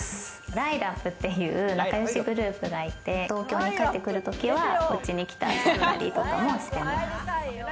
ライラップっていう仲よしグループがいて、東京に帰ってくるときは家に来て、集まりとかもしてます。